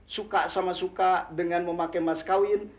suka sama suka dengan memakai maskawin